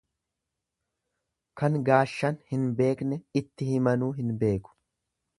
Kan gaashan hin beekne itti himanuu hin beeku.